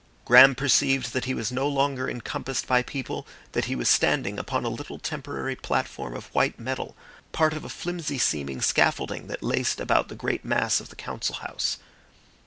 Graham perceived that he was no longer encompassed by people, that he was standing upon a little temporary platform of white metal, part of a flimsy seeming scaffolding that laced about the great mass of the Council House.